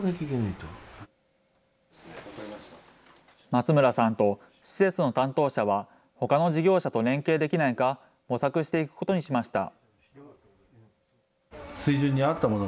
松村さんと施設の担当者は、ほかの事業者と連携できないか、模索していくことにしました。